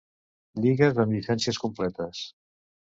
Lligues amb llicències completes.